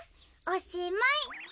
おしまい。